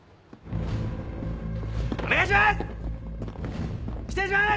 お願いします！